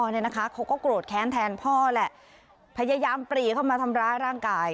เนี่ยนะคะเขาก็โกรธแค้นแทนพ่อแหละพยายามปรีเข้ามาทำร้ายร่างกาย